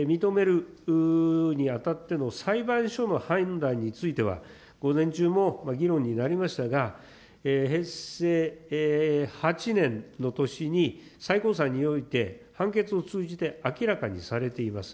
解散請求を、解散を認めるにあたっての裁判所の判断については、午前中も議論になりましたが、平成８年の年に最高裁において判決を通じて明らかにされています。